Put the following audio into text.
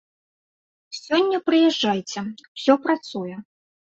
Сёння прыязджайце, усё працуе.